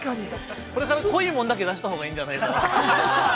◆これから濃いもんだけ出したらいいんじゃないかなと。